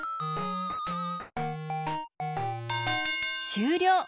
しゅうりょう！